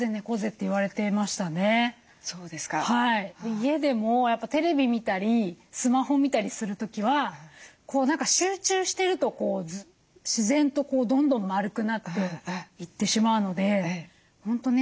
家でもテレビ見たりスマホ見たりする時は何か集中してるとこう自然とどんどん丸くなっていってしまうので本当ね